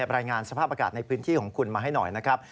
รายงานสภาพอากาศในพื้นที่ของคุณมาให้หน่อยนะครับ